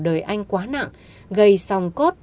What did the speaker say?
đời anh quá nặng gây song cốt